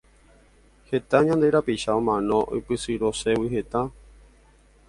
Heta ñande rapicha omano oipysyrõségui hetã.